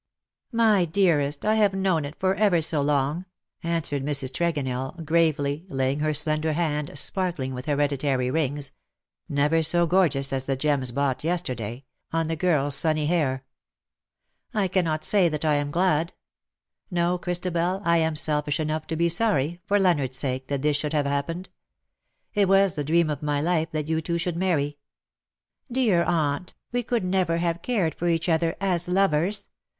" My dearest, I have known it for ever so long,^^ answered Mrs. Tregonell, gravely^ laying her slender hand, sparkling wdth hereditary rings — never so gorgeous as the gems bought yesterday — on the ^^THE SILVER ANSWER RANG." 129 girFs sunny hair. '' I cannot say that I am glad. No, Christabel, I am selfish enough to be sorry, for Leonardos sake, that this should have happened. It was the dream of my life that you two should marry .^^*• Dear aunt, we could never have cared for each other — as lovers.